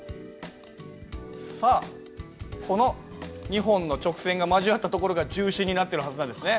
さあこの２本の直線が交わった所が重心になってるはずなんですね。